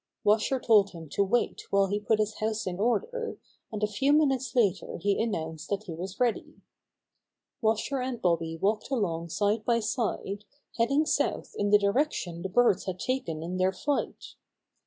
Washer told him to wait while he put his house in order, and a few minutes later he announced that he was ready. Washer and Bobby walked along side by side, heading south in the direction the birds had taken in their flight.